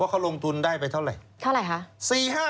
เขาลงทุนได้ไปเท่าไหร่เท่าไหร่คะ